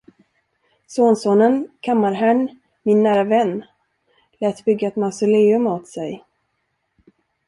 Sonsonen, kammarherrn, min nära vän, lät bygga ett mausoleum åt sig.